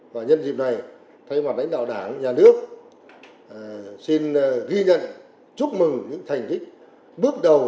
và nhân dịp này thay mặt lãnh đạo đảng nhà nước xin ghi nhận chúc mừng những thành tích bước đầu